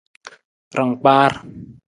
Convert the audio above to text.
Rangkpaar.